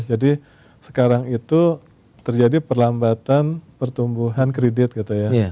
jadi sekarang itu terjadi perlambatan pertumbuhan kredit gitu ya